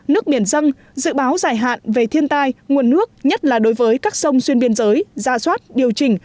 nước biển dân dự báo dài hạn về thiên tai nguồn nước nhất là đối với các sông xuyên biên giới ra soát điều chỉnh